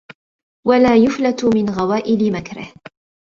وَلَا يُفْلَتُ مِنْ غَوَائِلِ مَكْرِهِ